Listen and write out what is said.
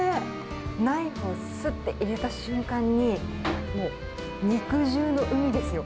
ナイフをすって入れた瞬間に、もう、肉汁の海ですよ。